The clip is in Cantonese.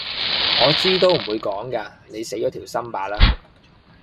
我知都唔會講㗎⋯你死左條心罷啦～